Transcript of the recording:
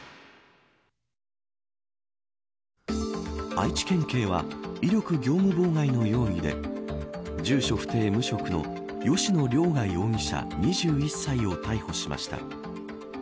愛知県警は威力業務妨害の容疑で住所不定無職の吉野凌雅容疑者２１歳を逮捕しました。